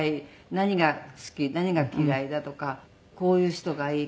何が好き何が嫌いだとかこういう人がいい